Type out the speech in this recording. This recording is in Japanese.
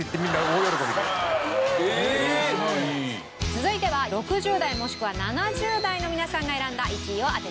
続いては６０代もしくは７０代の皆さんが選んだ１位を当てて頂きましょう。